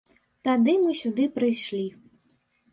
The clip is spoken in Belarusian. Тады мы сюды прыйшлі.